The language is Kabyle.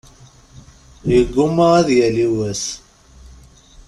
Yeggumma ad yali wass.